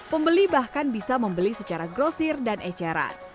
pembeli bahkan bisa membeli secara grosir dan eceran